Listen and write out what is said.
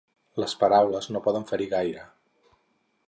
Les paraules no poden ferir gaire.